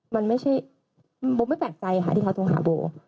มันไม่ใช่โบไม่แปลกใจค่ะที่เขาโทรหาโบ